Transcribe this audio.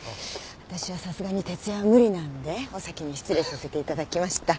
私はさすがに徹夜は無理なんでお先に失礼させていただきました。